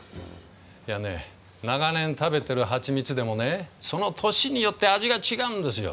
いやね長年食べてるはちみつでもねその年によって味が違うんですよ。